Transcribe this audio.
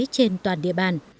trên toàn địa bàn